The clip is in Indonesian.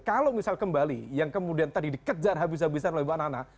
kalau misal kembali yang kemudian tadi dikejar habis habisan oleh mbak nana